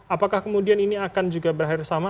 apakah kemudian ini akan juga berakhir sama